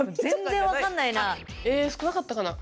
え少なかったかな？